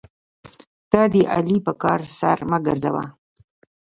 ته د علي په کار سر مه ګرځوه.